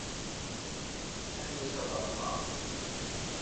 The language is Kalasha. Neji sabak maw